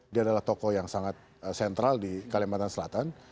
dia adalah tokoh yang sangat sentral di kalimantan selatan